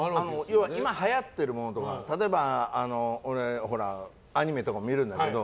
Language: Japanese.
要は、今はやってるものとか例えば、俺アニメとかも見るんだけど。